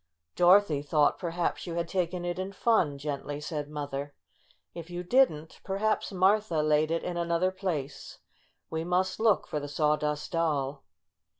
"Dorothy thought perhaps you had taken it in fun, '' gently said Mother. '' If you didn't, perhaps Martha laid it in an other place. We must look for the Saw dust Doll."